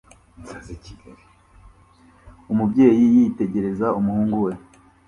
Umubyeyi yitegereza umuhungu we